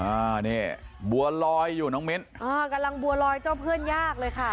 อ่านี่บัวลอยอยู่น้องมิ้นอ่ากำลังบัวลอยเจ้าเพื่อนยากเลยค่ะ